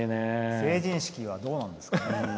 成人式はどうなるんですかね。